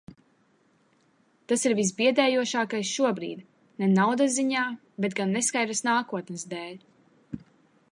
Tas ir visbiedējošākais šobrīd, ne naudas ziņā, bet gan neskaidras nākotnes dēļ.